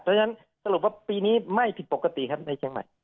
เพราะฉะนั้นสรุปว่าปีนี้ไม่ผิดปกติครับในเชียงใหม่